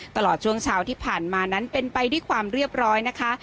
ตลอดช่วงเช้าที่ผ่านมานั้นเป็นไปด้วยความเรียบร้อยนะคะ